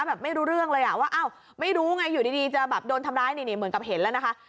แบบไม่รู้เรื่องเลยอ่ะว่าอ้าวไม่รู้ไงอยู่ดีจะแบบโดนทำร้ายนี่เหมือนกับเห็นแล้วนะคะ